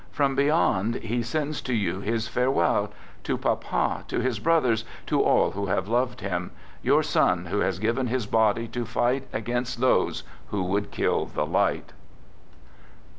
From beyond, he | sends to you his farewell, to papa, to his brothers, | to all who have loved him — your son who has given l his body to fight against those who would kill the } 1/ght."